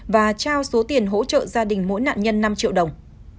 và trao số tiền hỗ trợ gia đình mỗi nạn nhân năm triệu đồng